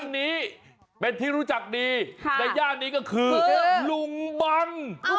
นี้เป็นที่รู้จักดีในย่านนี้ก็คือลุงบัง